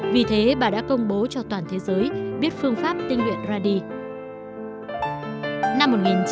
vì thế bà đã công bố cho toàn thế giới biết phương pháp tinh luyện radi